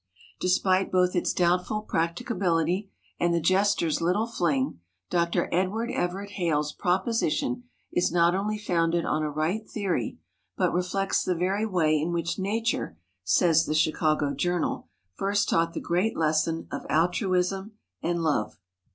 Despite both its doubtful practicability and the jester's little fling, Dr. Edward Everett Hale's proposition is not only founded on a right theory, but reflects the very way in which nature, says the Chicago Journal, first taught the great lesson of altruism and love.